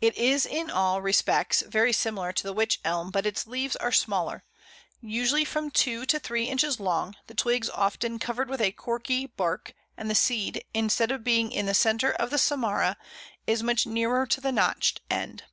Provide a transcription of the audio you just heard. It is in all respects very similar to the Wych Elm, but its leaves are smaller usually from two to three inches long, the twigs often covered with a corky bark, and the seed, instead of being in the centre of the samara, is much nearer to the notched end.